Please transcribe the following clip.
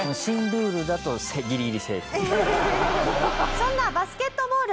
そんなバスケットボール。